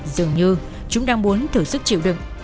dường như chúng đang muốn thử sức chịu đựng